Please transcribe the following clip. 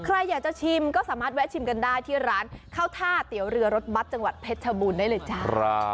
ใครอยากจะชิมก็สามารถแวะชิมกันได้ที่ร้านข้าวท่าเตี๋ยวเรือรสบัตรจังหวัดเพชรชบูรณ์ได้เลยจ้า